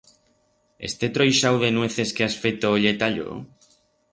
Este troixau de nueces que has feto ye ta yo?